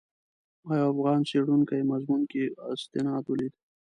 ما یو افغان څېړونکي مضمون کې استناد ولید.